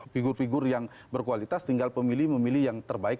figur figur yang berkualitas tinggal pemilih memilih yang terbaik